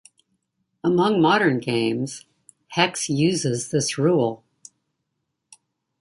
Among modern games, Hex uses this rule.